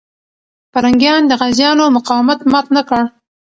پرنګیان د غازيانو مقاومت مات نه کړ.